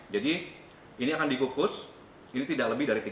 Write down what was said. jadi ini akan dikukus ini tidak lebih dari